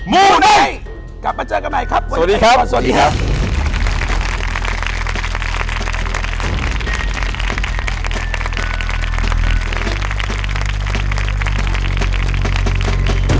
มูไนท์กลับมาเจอกันใหม่ครับสวัสดีครับสวัสดีครับ